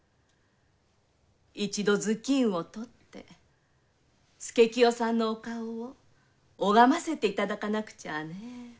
一度頭巾を取って佐清さんのお顔を拝ませていただかなくちゃね。